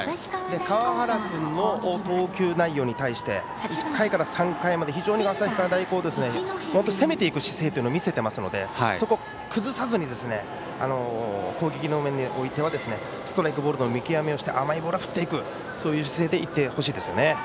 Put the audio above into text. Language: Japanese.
川原君の投球内容に対して１回から３回まで非常に旭川大高は攻めていく姿勢を見せているのでそれを崩さずに攻撃の面においてはストライク、ボールの見極めをして甘いボールは振っていく姿勢でいってほしいですね。